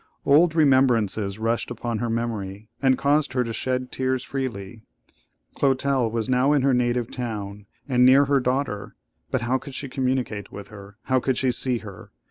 Old remembrances rushed upon her memory, and caused her to shed tears freely. Clotel was now in her native town, and near her daughter; but how could she communicate with her? How could she see her?